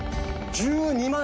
１２万。